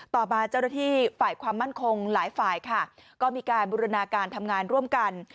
ต่อมาเจ้าหน้าที่ฝ่ายความมั่นคงหลายฝ่ายค่ะก็มีการบูรณาการทำงานร่วมกัน